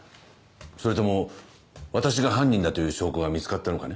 それとも私が犯人だという証拠が見つかったのかね？